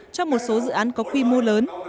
cho một số dự án có quy mô lớn